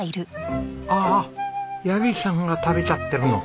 ああヤギさんが食べちゃってるの！